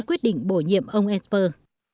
quyết định bổ nhiệm ông esper